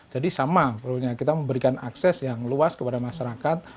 jadi sama kita memberikan akses yang luas kepada masyarakat